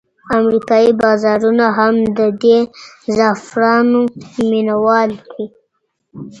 امریکایي بازارونه هم د دې زعفرانو مینوال دي.